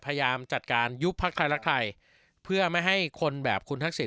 พยายามจัดการยุปภัคคลหลักไทยเพื่อไม่ให้คนแบบขุนทักษิรรม